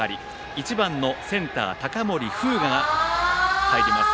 １番のセンター、高森風我が入ります。